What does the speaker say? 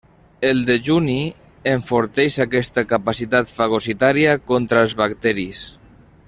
El dejuni enforteix aquesta capacitat fagocitària contra els bacteris.